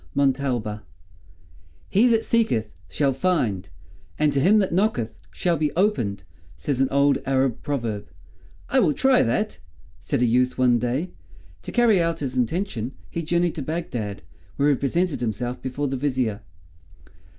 MONTALBA "He that seeketh, shall find, and to him that knocketh shall be opened," says an old Arab proverb. "I will try that," said a youth one day. To carry out his intention he journeyed to Bagdad, where he presented himself before the Vizier.